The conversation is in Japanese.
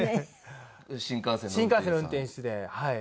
新幹線の運転手ではい。